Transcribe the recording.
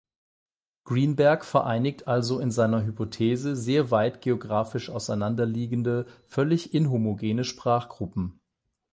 Greenberg vereinigt also in seiner Hypothese sehr weit geographisch auseinanderliegende, völlig inhomogene Sprachgruppen.